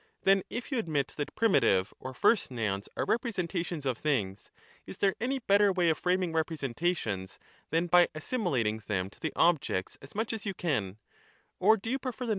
Then if you admit that primitive or first nouns are representations of things, is there any better way of framing representations than by assimilating them to the objects as much as you can ; or do you prefer the